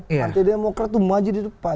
partai demokrat itu maju di depan